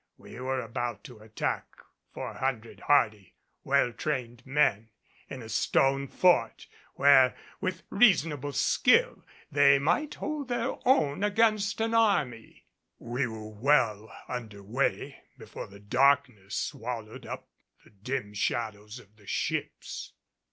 We were about to attack four hundred hardy, well trained men, in a stone fort where with reasonable skill they might hold their own against an army. We were well under way before the darkness swallowed up the dim shadows of the ships.